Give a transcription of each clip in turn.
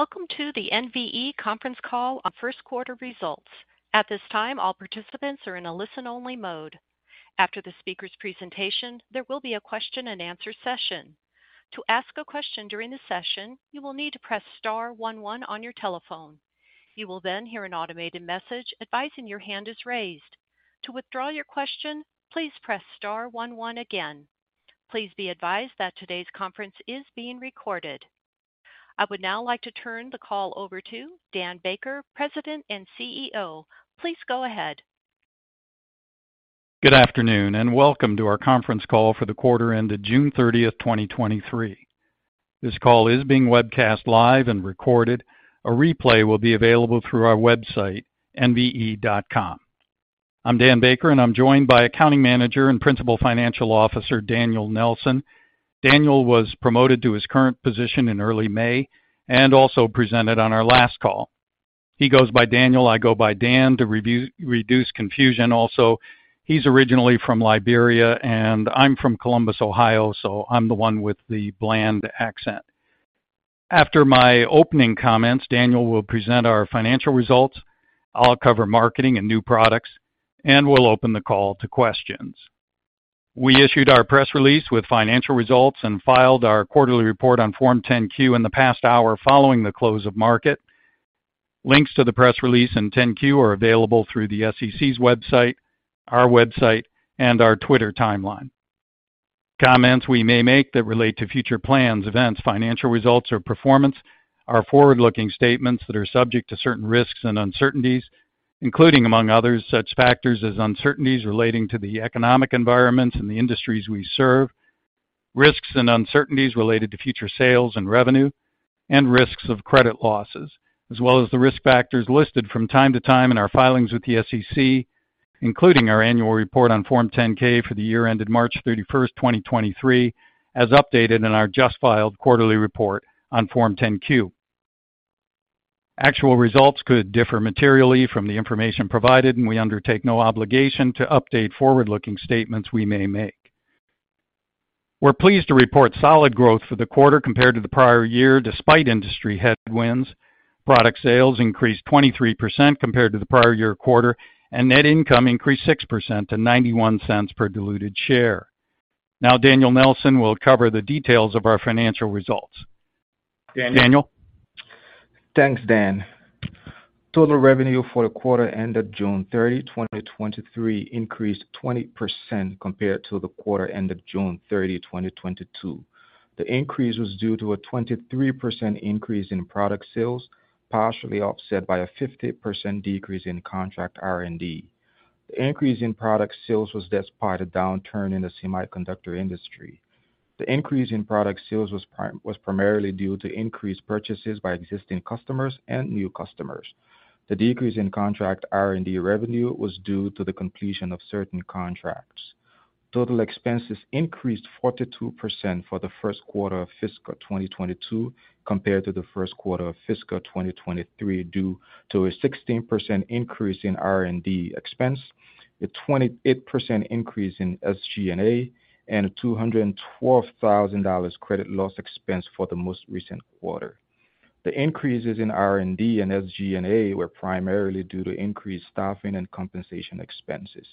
Welcome to the NVE conference call on first quarter results. At this time, all participants are in a listen-only mode. After the speaker's presentation, there will be a question-and-answer session. To ask a question during the session, you will need to press star one one on your telephone. You will hear an automated message advising your hand is raised. To withdraw your question, please press star one one again. Please be advised that today's conference is being recorded. I would now like to turn the call over to Dan Baker, President and CEO. Please go ahead. Good afternoon, welcome to our conference call for the quarter ended June 30th, 2023. This call is being webcast live and recorded. A replay will be available through our website, nve.com. I'm Dan Baker, and I'm joined by Accounting Manager and Principal Financial Officer, Daniel Nelson. Daniel was promoted to his current position in early May and also presented on our last call. He goes by Daniel. I go by Dan to reduce confusion. He's originally from Liberia, and I'm from Columbus, Ohio, so I'm the one with the bland accent. After my opening comments, Daniel will present our financial results. I'll cover marketing and new products, and we'll open the call to questions. We issued our press release with financial results and filed our quarterly report on Form 10-Q in the past hour following the close of market. Links to the press release and 10-Q are available through the SEC's website, our website, and our Twitter timeline. Comments we may make that relate to future plans, events, financial results, or performance are forward-looking statements that are subject to certain risks and uncertainties, including, among others, such factors as uncertainties relating to the economic environment and the industries we serve, risks and uncertainties related to future sales and revenue, and risks of credit losses, as well as the risk factors listed from time to time in our filings with the SEC, including our annual report on Form 10-K for the year ended March 31st, 2023, as updated in our just filed quarterly report on Form 10-Q. Actual results could differ materially from the information provided, and we undertake no obligation to update forward-looking statements we may make. We're pleased to report solid growth for the quarter compared to the prior year, despite industry headwinds. Product sales increased 23% compared to the prior year quarter, and net income increased 6% to $0.91 per diluted share. Daniel Nelson will cover the details of our financial results. Daniel? Thanks, Dan. Total revenue for the quarter ended June 30th, 2023, increased 20% compared to the quarter ended June 30th, 2022. The increase was due to a 23% increase in product sales, partially offset by a 50% decrease in contract R&D. The increase in product sales was despite a downturn in the semiconductor industry. The increase in product sales was primarily due to increased purchases by existing customers and new customers. The decrease in contract R&D revenue was due to the completion of certain contracts. Total expenses increased 42% for the first quarter of fiscal 2022 compared to the first quarter of fiscal 2023, due to a 16% increase in R&D expense, a 28% increase in SG&A, and a $212,000 credit loss expense for the most recent quarter. The increases in R&D and SG&A were primarily due to increased staffing and compensation expenses.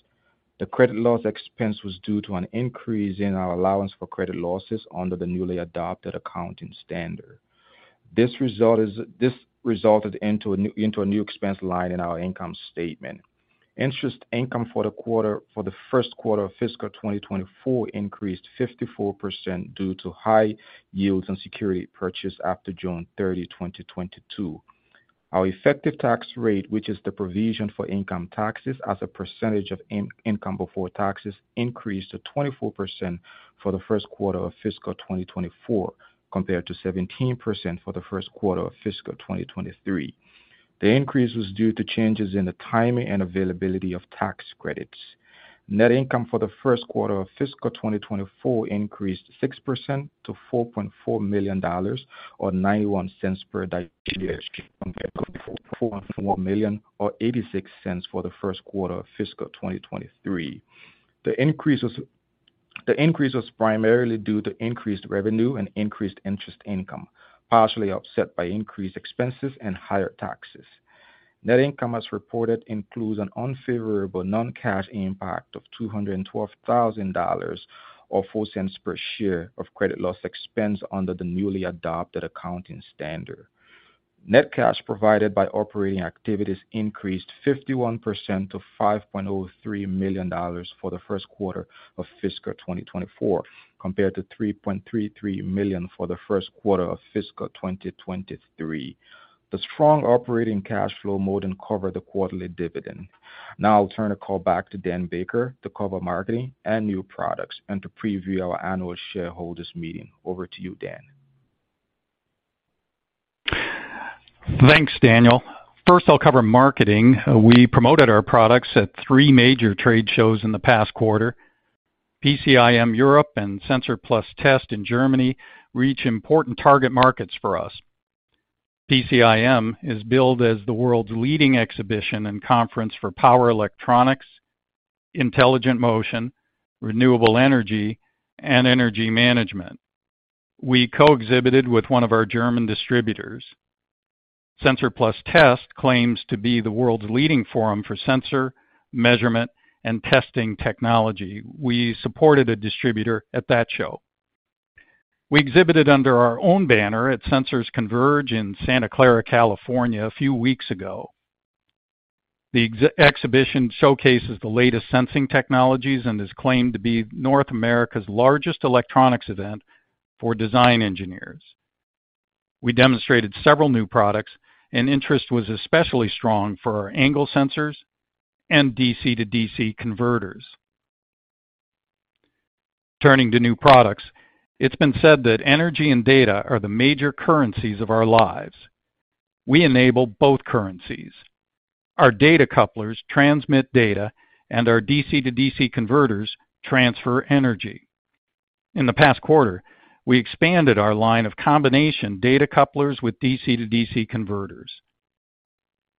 The credit loss expense was due to an increase in our allowance for credit losses under the newly adopted accounting standard. This resulted into a new expense line in our income statement. Interest income for the first quarter of fiscal 2024 increased 54% due to high yields and security purchase after June 30th, 2022. Our effective tax rate, which is the provision for income taxes as a percentage of income before taxes, increased to 24% for the first quarter of fiscal 2024, compared to 17% for the first quarter of fiscal 2023. The increase was due to changes in the timing and availability of tax credits. Net income for the first quarter of fiscal 2024 increased 6% to $4.4 million, or $0.91 per million, or $0.86 for the first quarter of fiscal 2023. The increase was primarily due to increased revenue and increased interest income, partially offset by increased expenses and higher taxes. Net income, as reported, includes an unfavorable non-cash impact of $212,000, or $0.04 per share of credit loss expense under the newly adopted accounting standard. Net cash provided by operating activities increased 51% to $5.03 million for the first quarter of fiscal 2024, compared to $3.33 million for the first quarter of fiscal 2023. The strong operating cash flow more than covered the quarterly dividend. Now I'll turn the call back to Dan Baker to cover marketing and new products and to preview our annual shareholders meeting. Over to you, Dan. Thanks, Daniel. First, I'll cover marketing. We promoted our products at three major trade shows in the past quarter. PCIM Europe and SENSOR+TEST in Germany reach important target markets for us. PCIM is billed as the world's leading exhibition and conference for power electronics, intelligent motion, renewable energy, and energy management. We co-exhibited with one of our German distributors. SENSOR+TEST claims to be the world's leading forum for sensor, measurement, and testing technology. We supported a distributor at that show. We exhibited under our own banner at Sensors Converge in Santa Clara, California, a few weeks ago. The exhibition showcases the latest sensing technologies and is claimed to be North America's largest electronics event for design engineers. We demonstrated several new products, and interest was especially strong for our angle sensors and DC-to-DC converters. Turning to new products, it's been said that energy and data are the major currencies of our lives. We enable both currencies. Our data couplers transmit data. Our DC-to-DC converters transfer energy. In the past quarter, we expanded our line of combination data couplers with DC-to-DC converters.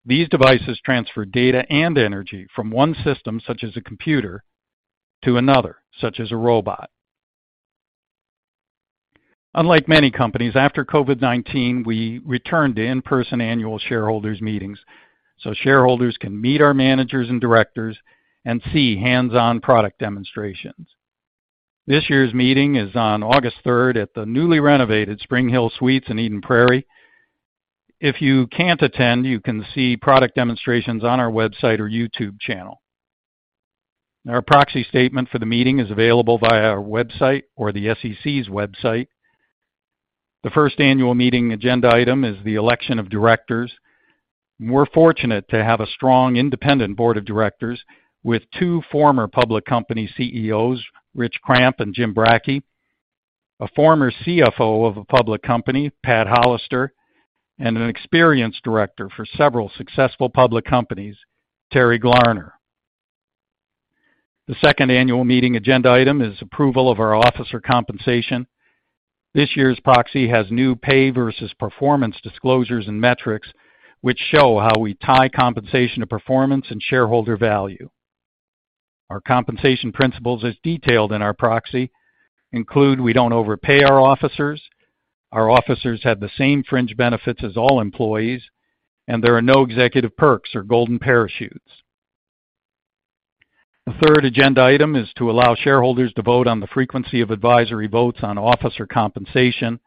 These devices transfer data and energy from one system, such as a computer, to another, such as a robot. Unlike many companies, after COVID-19, we returned to in-person annual shareholders meetings. Shareholders can meet our managers and directors and see hands-on product demonstrations. This year's meeting is on August third, at the newly renovated SpringHill Suites in Eden Prairie. If you can't attend, you can see product demonstrations on our website or YouTube channel. Our proxy statement for the meeting is available via our website or the SEC's website. The first annual meeting agenda item is the election of directors. We're fortunate to have a strong, independent board of directors with two former public company CEOs, Rich Kramp and Jim Bracke, a former CFO of a public company, Pat Hollister, and an experienced director for several successful public companies, Terry Glarner. The second annual meeting agenda item is approval of our officer compensation. This year's proxy has new pay versus performance disclosures and metrics, which show how we tie compensation to performance and shareholder value. Our compensation principles, as detailed in our proxy, include: we don't overpay our officers, our officers have the same fringe benefits as all employees, there are no executive perks or golden parachutes. The third agenda item is to allow shareholders to vote on the frequency of advisory votes on officer compensation.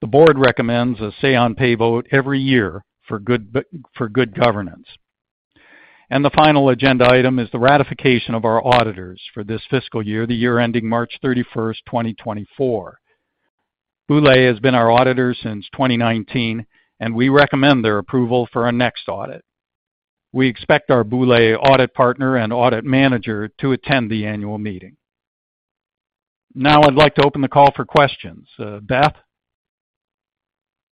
The board recommends a say on pay vote every year for good governance. The final agenda item is the ratification of our auditors for this fiscal year, the year ending March 31st, 2024. Boulay has been our auditor since 2019, and we recommend their approval for our next audit. We expect our Boulay audit partner and audit manager to attend the annual meeting. Now, I'd like to open the call for questions. Beth?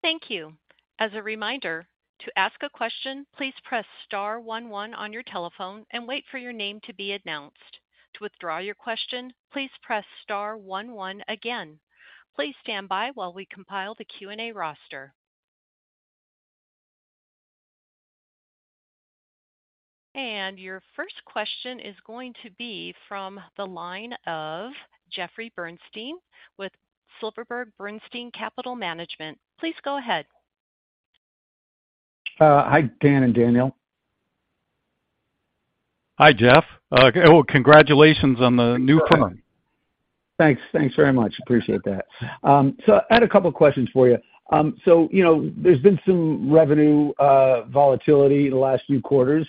Thank you. As a reminder, to ask a question, please press star one one on your telephone and wait for your name to be announced. To withdraw your question, please press star one one again. Please stand by while we compile the Q&A roster. Your first question is going to be from the line of Jeffrey Bernstein with Silverberg Bernstein Capital Management. Please go ahead. Hi, Dan and Daniel. Hi, Jeff. Well, congratulations on the new firm. Thanks. Thanks very much. Appreciate that. I had a couple questions for you. You know, there's been some revenue volatility in the last few quarters,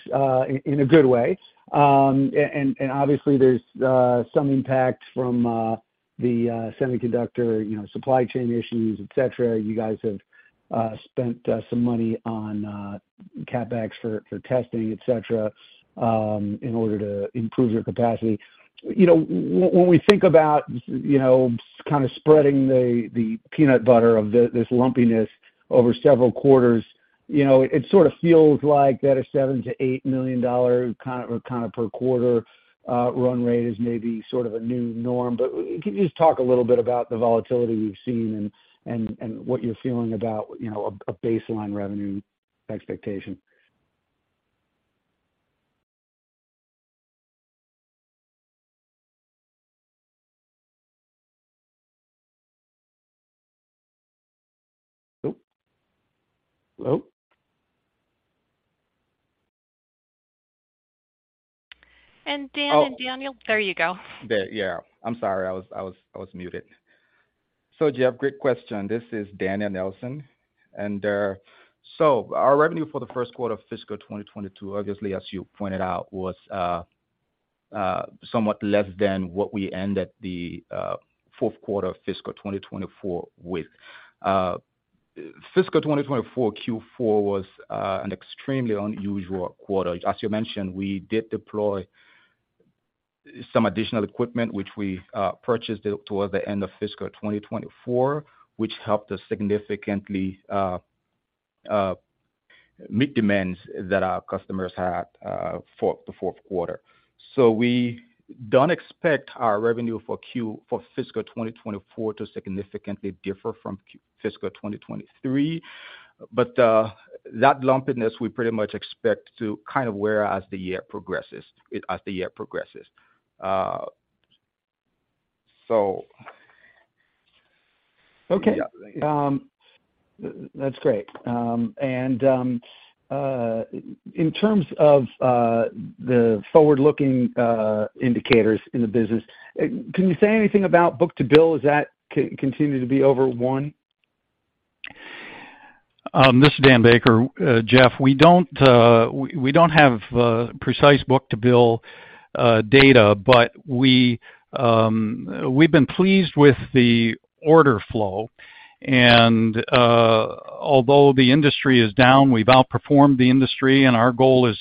in a good way. And, obviously, there's some impact from the semiconductor, you know, supply chain issues, et cetera. You guys have spent some money on CapEx for testing, et cetera, in order to improve your capacity. You know, when we think about, you know, kind of spreading the peanut butter of this lumpiness over several quarters, you know, it sort of feels like that a $7 million-$8 million per quarter run rate is maybe sort of a new norm. Can you just talk a little bit about the volatility we've seen and what you're feeling about, you know, a baseline revenue expectation? Dan and Daniel. Oh. There you go. There, yeah. I'm sorry, I was muted. Jeff, great question. This is Daniel Nelson. Our revenue for the first quarter of fiscal 2022, obviously, as you pointed out, was somewhat less than what we ended the fourth quarter of fiscal 2024 with. Fiscal 2024 Q4 was an extremely unusual quarter. As you mentioned, we did deploy some additional equipment, which we purchased toward the end of fiscal 2024, which helped us significantly meet demands that our customers had for the fourth quarter. We don't expect our revenue for fiscal 2024 to significantly differ from fiscal 2023. That lumpiness, we pretty much expect to kind of wear as the year progresses. Okay. That's great. In terms of the forward-looking indicators in the business, can you say anything about book-to-bill? Is that continuing to be over one? This is Dan Baker. Jeff, we don't have precise book-to-bill data, but we've been pleased with the order flow and, although the industry is down, we've outperformed the industry, and our goal is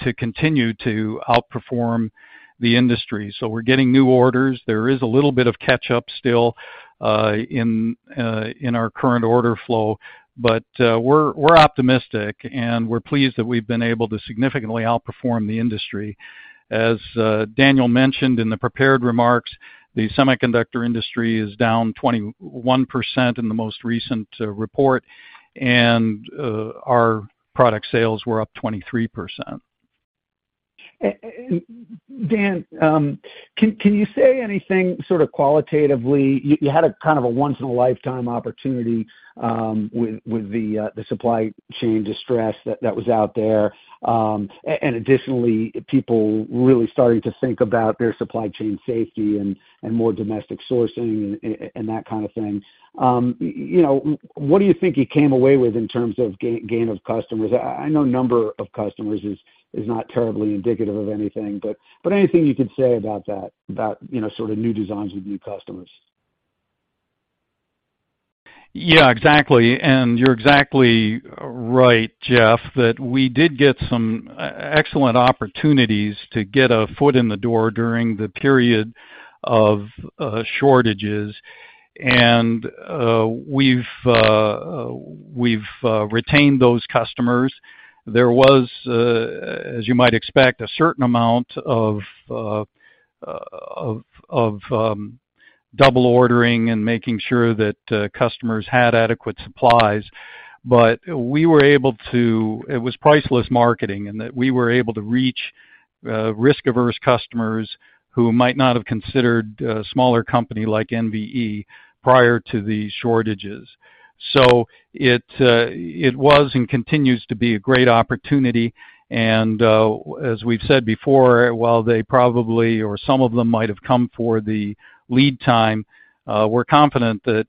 to continue to outperform the industry. We're getting new orders. There is a little bit of catch up still in our current order flow, but we're optimistic, and we're pleased that we've been able to significantly outperform the industry. As Daniel mentioned in the prepared remarks, the semiconductor industry is down 21% in the most recent report, and our product sales were up 23%. Dan, can you say anything sort of qualitatively? You had a kind of a once-in-a-lifetime opportunity with the supply chain distress that was out there. Additionally, people really starting to think about their supply chain safety and more domestic sourcing and that kind of thing. You know, what do you think you came away with in terms of gain of customers? I know number of customers is not terribly indicative of anything. Anything you could say about that, you know, sort of new designs with new customers. Yeah, exactly. You're exactly right, Jeff, that we did get some excellent opportunities to get a foot in the door during the period of shortages, and we've retained those customers. There was, as you might expect, a certain amount of double ordering and making sure that customers had adequate supplies, but we were able to. It was priceless marketing, in that we were able to reach risk-averse customers who might not have considered a smaller company like NVE prior to the shortages. It, it was and continues to be a great opportunity, and as we've said before, while they probably or some of them might have come for the lead time, we're confident that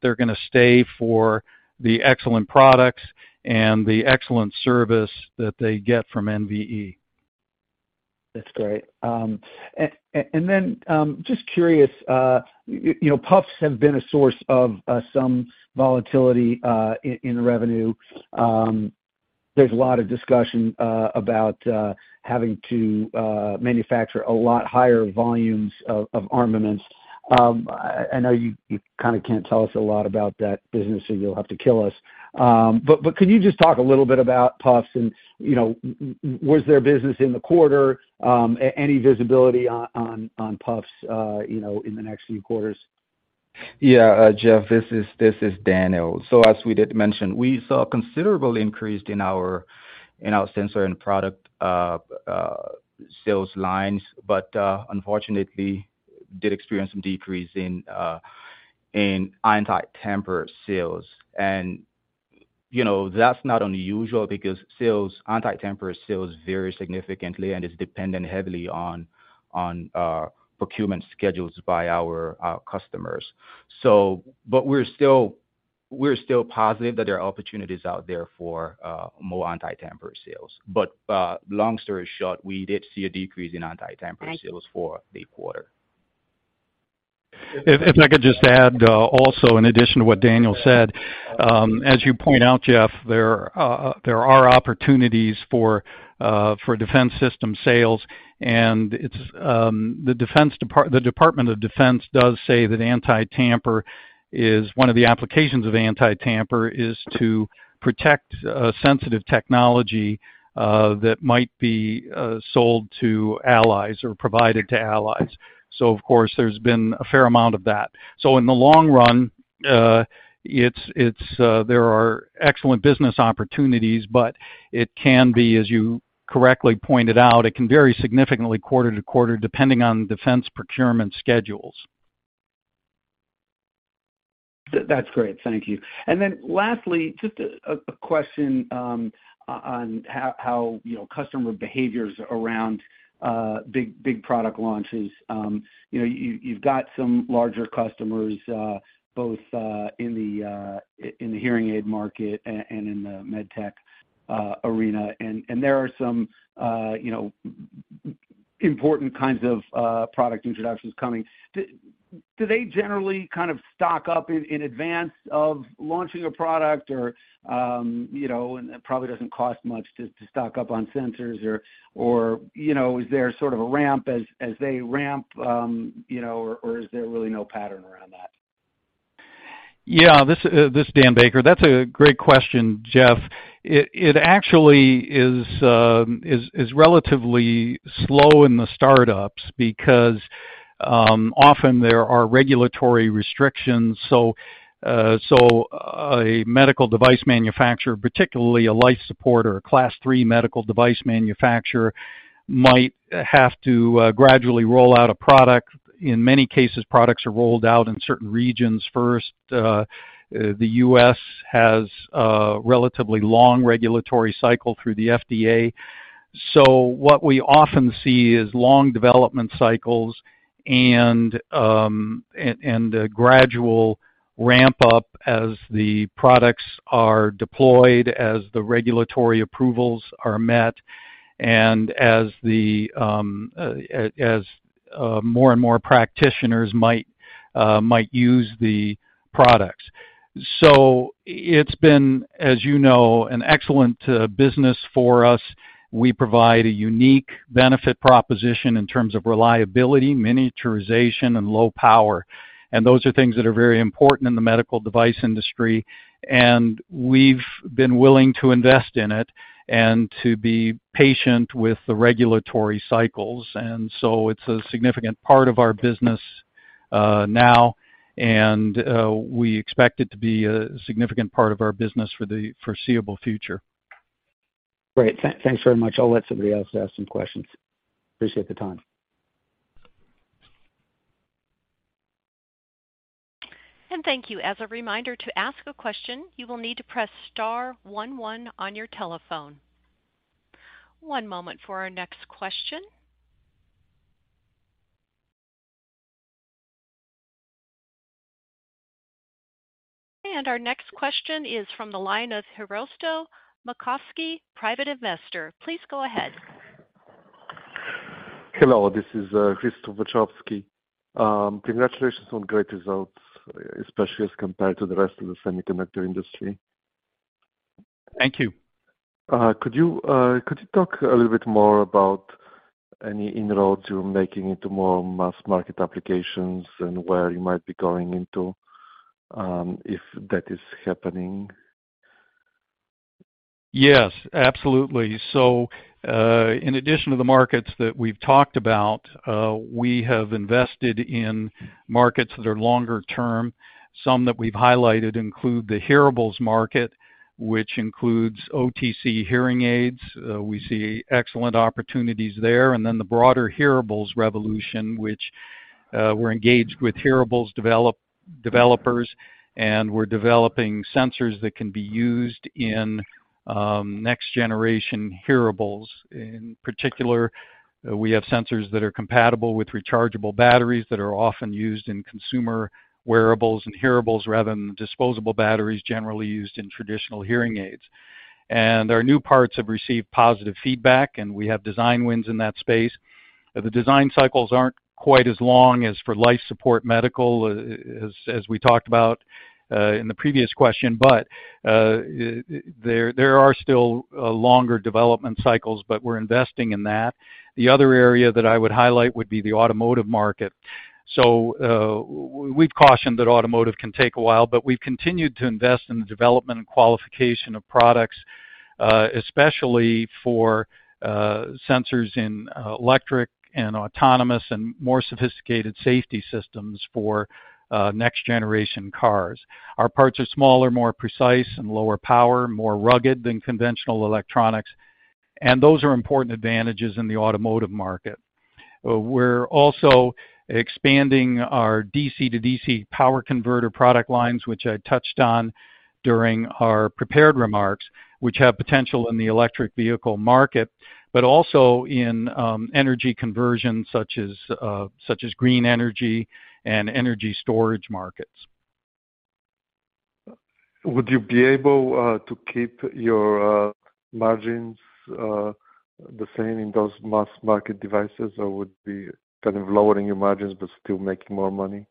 they're gonna stay for the excellent products and the excellent service that they get from NVE. That's great. Just curious, you know, PUFs have been a source of some volatility in revenue. There's a lot of discussion about having to manufacture a lot higher volumes of armaments. I know you kind of can't tell us a lot about that business, or you'll have to kill us. Can you just talk a little bit about PUFs and, you know, was there business in the quarter? Any visibility on PUFs, you know, in the next few quarters? Yeah, Jeff, this is Daniel. As we did mention, we saw a considerable increase in our sensor and product sales lines, but unfortunately did experience some decrease in anti-tamper sales. You know, that's not unusual because anti-tamper sales vary significantly and is dependent heavily on procurement schedules by our customers. But we're still positive that there are opportunities out there for more anti-tamper sales. Long story short, we did see a decrease in anti-tamper sales. For the quarter. If I could just add, also, in addition to what Daniel said, as you point out, Jeff, there are opportunities for defense system sales, and the Department of Defense does say that anti-tamper, one of the applications of anti-tamper is to protect sensitive technology that might be sold to allies or provided to allies. Of course, there's been a fair amount of that. In the long run, it's there are excellent business opportunities, but it can be, as you correctly pointed out, it can vary significantly quarter to quarter, depending on defense procurement schedules. That's great. Thank you. Then lastly, just a question on how, you know, customer behaviors around big product launches? You know, you've got some larger customers, both in the hearing aid market and in the med tech arena, and there are some, you know, important kinds of product introductions coming. Do they generally kind of stock up in advance of launching a product? Or, you know, and it probably doesn't cost much to stock up on sensors or, you know, is there sort of a ramp as they ramp, you know, or is there really no pattern around that? This is Dan Baker. That's a great question, Jeff. It actually is relatively slow in the startups because often there are regulatory restrictions, so a medical device manufacturer, particularly a life support or a class 3 medical device manufacturer, might have to gradually roll out a product. In many cases, products are rolled out in certain regions first. The U.S. has a relatively long regulatory cycle through the FDA, so what we often see is long development cycles and a gradual ramp-up as the products are deployed, as the regulatory approvals are met, and as the more and more practitioners might use the products. It's been, as you know, an excellent business for us. We provide a unique benefit proposition in terms of reliability, miniaturization, and low power. Those are things that are very important in the medical device industry, and we've been willing to invest in it and to be patient with the regulatory cycles. It's a significant part of our business, now, and we expect it to be a significant part of our business for the foreseeable future. Great. Thanks very much. I'll let somebody else ask some questions. Appreciate the time. Thank you. As a reminder, to ask a question, you will need to press star one on your telephone. One moment for our next question. Our next question is from the line of Hristo Mastev, private investor. Please go ahead. Hello, this is Hristo Mastev. Congratulations on great results, especially as compared to the rest of the semiconductor industry. Thank you. Could you talk a little bit more about any inroads you're making into more mass market applications and where you might be going into, if that is happening? Yes, absolutely. In addition to the markets that we've talked about, we have invested in markets that are longer term. Some that we've highlighted include the hearables market, which includes OTC hearing aids. We see excellent opportunities there, and then the broader hearables revolution, which, we're engaged with hearables developers, and we're developing sensors that can be used in next generation hearables. In particular, we have sensors that are compatible with rechargeable batteries that are often used in consumer wearables and hearables, rather than the disposable batteries generally used in traditional hearing aids. Our new parts have received positive feedback, and we have design wins in that space. The design cycles aren't quite as long as for life support medical, as we talked about in the previous question. There are still longer development cycles, but we're investing in that. The other area that I would highlight would be the automotive market. We've cautioned that automotive can take a while, but we've continued to invest in the development and qualification of products, especially for sensors in electric and autonomous and more sophisticated safety systems for next generation cars. Our parts are smaller, more precise and lower power, more rugged than conventional electronics. Those are important advantages in the automotive market. We're also expanding our DC-to-DC power converter product lines, which I touched on during our prepared remarks, which have potential in the electric vehicle market, but also in energy conversion, such as green energy and energy storage markets. Would you be able to keep your margins the same in those mass market devices, or would be kind of lowering your margins but still making more money?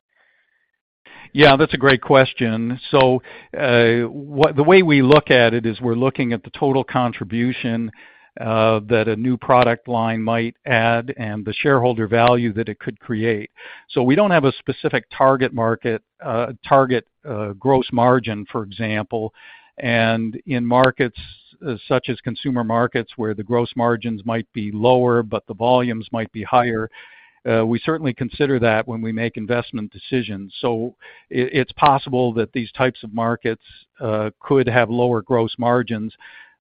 That's a great question. The way we look at it is we're looking at the total contribution that a new product line might add and the shareholder value that it could create. We don't have a specific target market, target gross margin, for example. In markets such as consumer markets, where the gross margins might be lower, but the volumes might be higher, we certainly consider that when we make investment decisions. It's possible that these types of markets could have lower gross margins,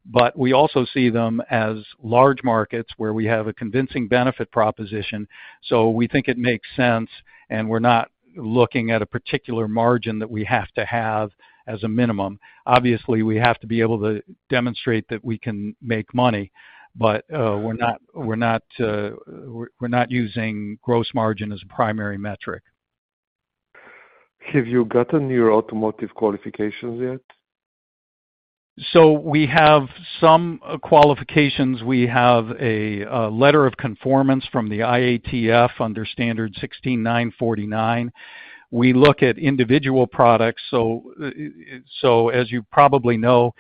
but we also see them as large markets where we have a convincing benefit proposition. We think it makes sense, and we're not looking at a particular margin that we have to have as a minimum. Obviously, we have to be able to demonstrate that we can make money, but, we're not using gross margin as a primary metric. Have you gotten your automotive qualifications yet? We have some qualifications. We have a letter of conformance from the IATF under Standard 16949. We look at individual products, so as you probably know,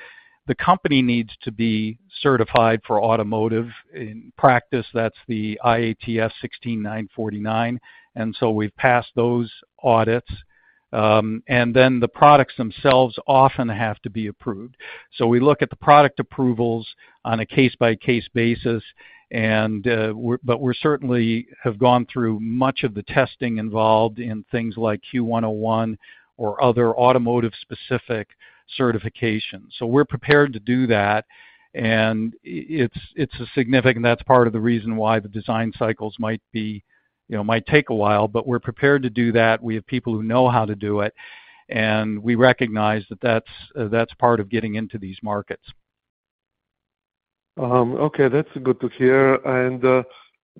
The company needs to be certified for automotive. In practice, that's the IATF 16949, we've passed those audits. The products themselves often have to be approved. We look at the product approvals on a case-by-case basis, and we're certainly have gone through much of the testing involved in things like Q101 or other automotive-specific certification. We're prepared to do that, and it's a significant, that's part of the reason why the design cycles might be, you know, might take a while, but we're prepared to do that. We have people who know how to do it, and we recognize that that's part of getting into these markets. Okay, that's good to hear.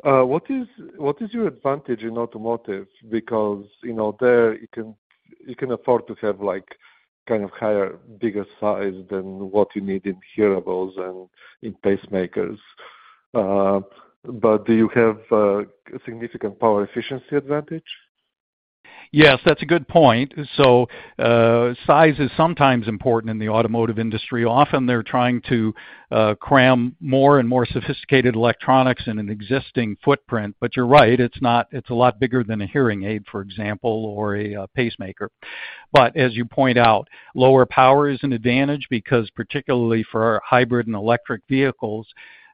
What is your advantage in automotive? Because, you know, there, you can afford to have, like, kind of higher, bigger size than what you need in hearables and in pacemakers. Do you have significant power efficiency advantage? Yes, that's a good point. Size is sometimes important in the automotive industry. Often they're trying to cram more and more sophisticated electronics in an existing footprint. You're right, it's not. It's a lot bigger than a hearing aid, for example, or a pacemaker. As you point out, lower power is an advantage because particularly for our hybrid and electric vehicles,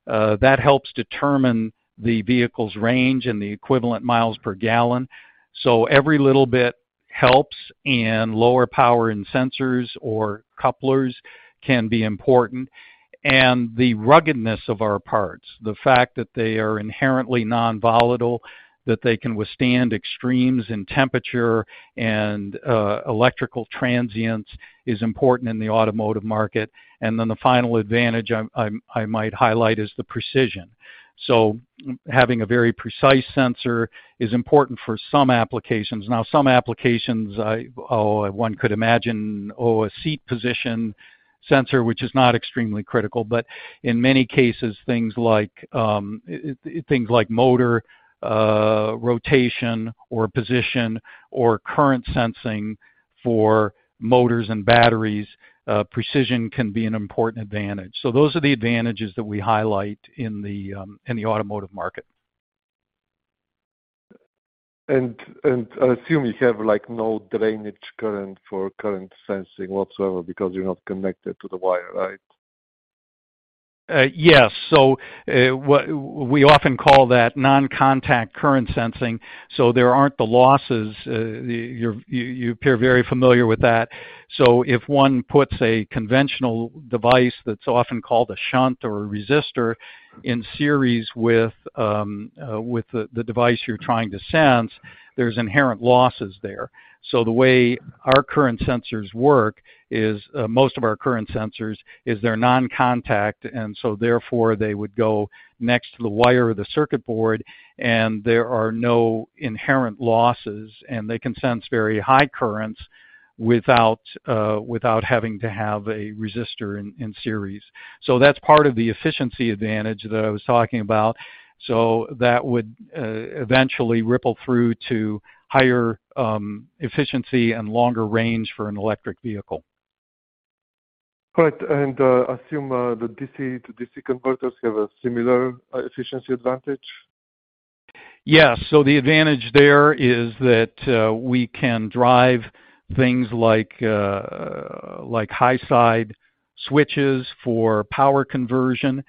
that helps determine the vehicle's range and the equivalent miles per gallon. Every little bit helps, and lower power in sensors or couplers can be important. The ruggedness of our parts, the fact that they are inherently non-volatile, that they can withstand extremes in temperature and electrical transience, is important in the automotive market. The final advantage I might highlight, is the precision. Having a very precise sensor is important for some applications. Some applications, one could imagine a seat position sensor, which is not extremely critical, but in many cases, things like motor rotation or position or current sensing for motors and batteries, precision can be an important advantage. Those are the advantages that we highlight in the automotive market. I assume you have, like, no drainage current for current sensing whatsoever because you're not connected to the wire, right? Yes. We often call that non-contact current sensing, so there aren't the losses. You're, you appear very familiar with that. If one puts a conventional device that's often called a shunt or a resistor, in series with the device you're trying to sense, there's inherent losses there. The way our current sensors work is, most of our current sensors, they're non-contact, and so therefore, they would go next to the wire or the circuit board, and there are no inherent losses, and they can sense very high currents without having to have a resistor in series. That's part of the efficiency advantage that I was talking about. That would eventually ripple through to higher efficiency and longer range for an electric vehicle. Correct. I assume the DC-to-DC converters have a similar efficiency advantage? Yes. The advantage there is that we can drive things like high-side switches for power conversion,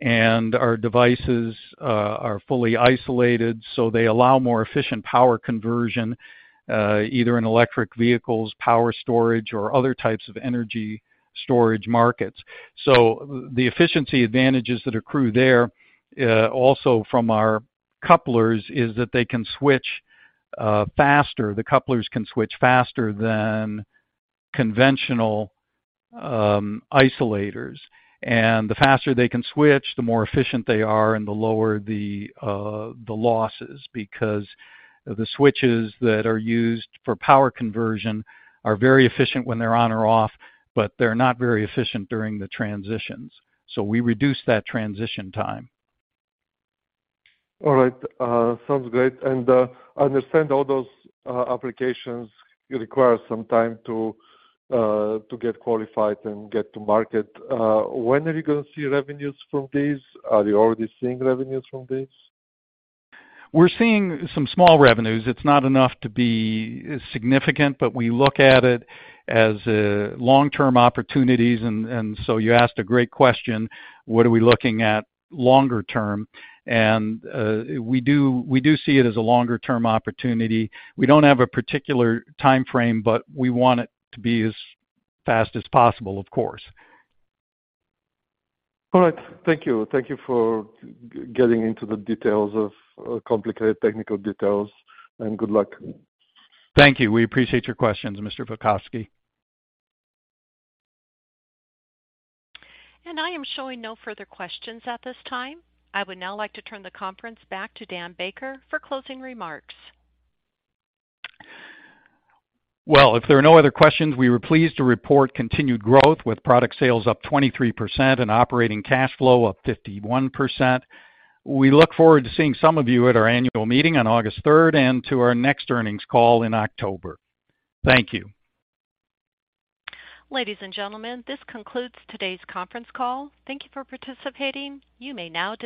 and our devices are fully isolated, so they allow more efficient power conversion either in electric vehicles, power storage, or other types of energy storage markets. The efficiency advantages that accrue there also from our couplers, is that they can switch faster. The couplers can switch faster than conventional isolators, and the faster they can switch, the more efficient they are and the lower the losses, because the switches that are used for power conversion are very efficient when they're on or off, but they're not very efficient during the transitions. We reduce that transition time. All right, sounds great, and, I understand all those applications, you require some time to get qualified and get to market. When are we going to see revenues from these? Are you already seeing revenues from these? We're seeing some small revenues. It's not enough to be significant, but we look at it as long-term opportunities. You asked a great question: What are we looking at longer term? We do see it as a longer-term opportunity. We don't have a particular timeframe, but we want it to be as fast as possible, of course. All right. Thank you. Thank you for getting into the details of complicated technical details, and good luck. Thank you. We appreciate your questions, Mr. Mastev. I am showing no further questions at this time. I would now like to turn the conference back to Dan Baker for closing remarks. If there are no other questions, we were pleased to report continued growth, with product sales up 23% and operating cash flow up 51%. We look forward to seeing some of you at our annual meeting on August 3rd and to our next earnings call in October. Thank you. Ladies and gentlemen, this concludes today's conference call. Thank you for participating. You may now disconnect.